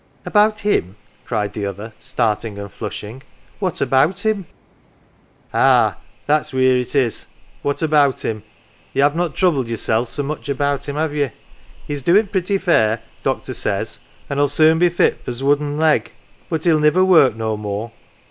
" About him," cried the other, starting and flushing ;*' what about him ?"" Ah that's wheer it is. What about him ? Ye have not troubled yoursel' so much about him, have ye ? He's doin' pretty fair, doctor says, an 1 '11 soon be fit for's wooden leg. But he'll niver work no more.